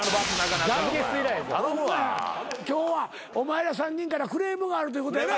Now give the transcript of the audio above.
今日はお前ら３人からクレームがあるということやな。